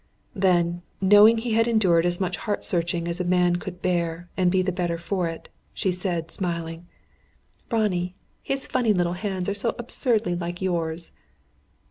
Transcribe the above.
Then, knowing he had endured as much heart searching as a man could bear and be the better for it, she said, smiling: "Ronnie, his funny little hands are so absurdly like yours."